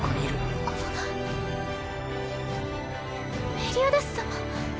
メリオダス様